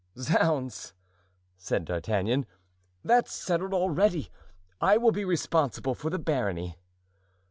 "Zounds!" said D'Artagnan, "that's settled already; I will be responsible for the barony."